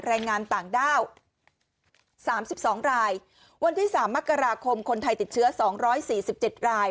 แรงงานต่างด้าว๓๒รายวันที่๓มกราคมคนไทยติดเชื้อ๒๔๗ราย